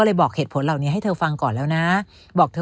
บอกเหตุผลเหล่านี้ให้เธอฟังก่อนแล้วนะบอกเธอ